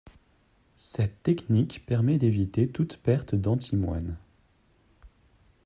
Cette technique permet d'éviter toute perte d'antimoine.